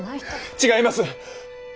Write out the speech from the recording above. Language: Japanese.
違います！